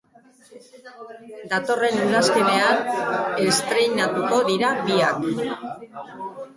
Datorren udazkenean estreinatuko dira biak.